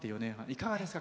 いかがですか？